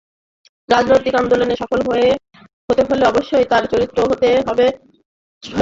রাজনৈতিক আন্দোলনে সফল হতে হলে অবশ্যই তার চরিত্র হতে হবে অহিংসাত্মক।